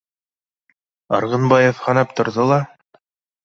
Арғынбаев һанап торҙо ла: